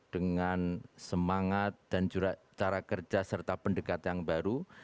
dengan semangat dan cara kerja serta pendekatan baru